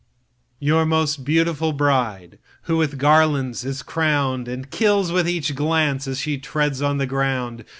Your most beautiful bride who with garlands is crown'dAnd kills with each glance as she treads on the ground.